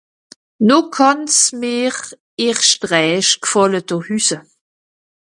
No kànn's mìr erscht rächt gfàlle do hüsse